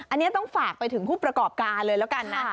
อันนี้ต้องฝากไปถึงผู้ประกอบการเลยแล้วกันนะ